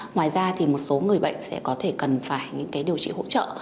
ngoài ra một số người bệnh sẽ có thể cần phải điều trị hỗ trợ